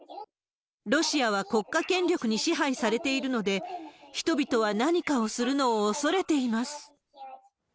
ロシアは国家権力に支配されているので、人々は何かをするのを恐れています。